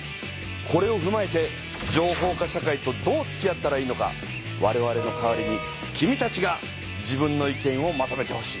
これをふまえて情報化社会とどうつきあったらいいのかわれわれの代わりに君たちが自分の意見をまとめてほしい。